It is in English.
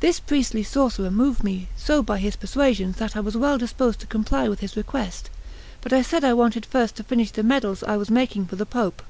This priestly sorcerer moved me so by his persuasions that I was well disposed to comply with his request; but I said I wanted first to finish the medals I was making for the Pope.